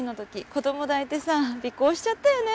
子ども抱いてさ尾行しちゃったよね